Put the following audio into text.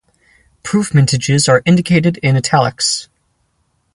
Proof mintages are indicated in "italics".